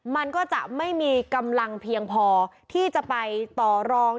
มันก็จะไม่มีกำลังเพียงพอที่จะไปต่อรอง